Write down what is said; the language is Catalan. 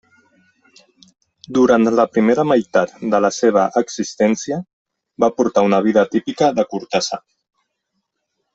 Durant la primera meitat de la seva existència, va portar una vida típica de cortesà.